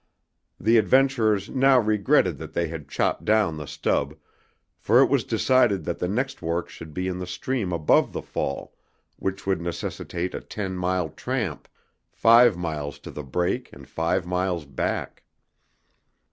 The adventurers now regretted that they had chopped down the stub, for it was decided that the next work should be in the stream above the fall, which would necessitate a ten mile tramp, five miles to the break and five miles back.